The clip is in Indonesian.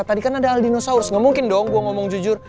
tadi kan ada aldino saurus gak mungkin dong gue ngomong jujur